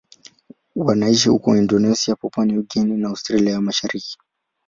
Wanaishi huko Indonesia, Papua New Guinea na Australia ya Mashariki.